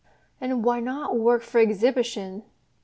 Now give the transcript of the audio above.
And why not work for exhibition?